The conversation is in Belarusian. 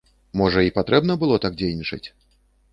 Можа, і патрэбна было так дзейнічаць?